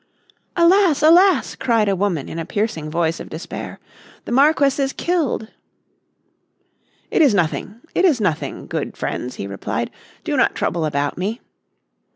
"Alas! Alas!" cried a woman in a piercing voice of despair, "the Marquess is killed!" "It is nothing, it is nothing, good friends," he replied. "Do not trouble about me."